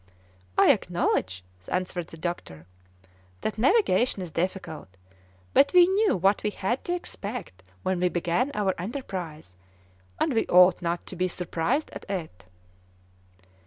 "I acknowledge," answered the doctor, "that navigation is difficult, but we knew what we had to expect when we began our enterprise, and we ought not to be surprised at it."